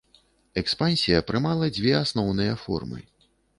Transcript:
Экспансія прымала дзве асноўныя формы.